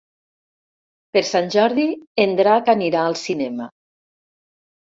Per Sant Jordi en Drac anirà al cinema.